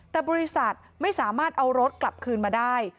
แต่บริษัทไม่สามารถเอารถกลับคืนมาได้